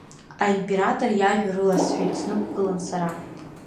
Аимператор иажәа рыласҳәеит снықәгылан сара.